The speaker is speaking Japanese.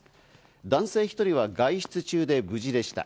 男性１人は外出中で無事でした。